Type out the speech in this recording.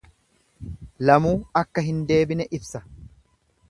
Lamuu akka hin deebine ibsa.